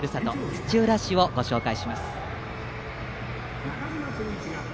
土浦市をご紹介します。